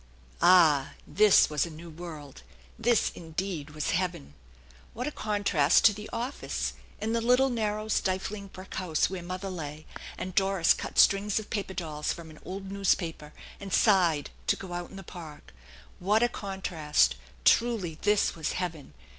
Ah ! This was a new world ! This indeed was heaven ! What a THE ENCHANTED BARN la contrast to the office, and the little narrow stifling brick house where mother lay, and Doris cut strings of paper dolls from an old newspaper and sighed to go out in the Park ! What a contrast ! Truly, this was heaven